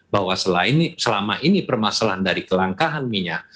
bahwa selain selama ini permasalahan dari kelangkaan minyak